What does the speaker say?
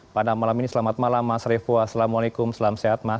pada malam ini selamat malam mas revo assalamualaikum selamat sehat mas